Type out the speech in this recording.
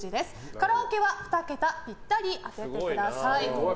カラオケは２桁ピッタリ当ててください。